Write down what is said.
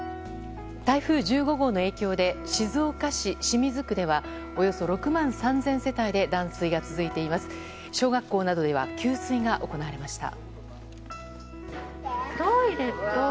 台風１５号の影響で静岡市清水区ではおよそ６万３０００世帯で断水が続いています。小学校などでは給水が行われました。